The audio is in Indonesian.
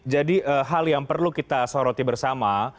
jadi hal yang perlu kita soroti bersama